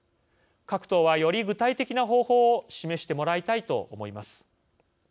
各党は、より具体的な方法を示してもらいたいと思います。